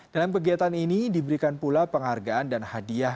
dalam kegiatan ini diberikan pula penghargaan dan hadiah